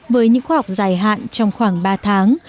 với những khoa học dài hạn trong khoảng ba tháng